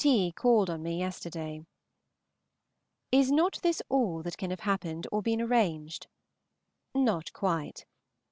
T. called on me yesterday. Is not this all that can have happened or been arranged? Not quite.